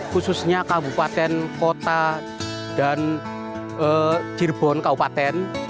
khususnya kabupaten kota dan cirebon kabupaten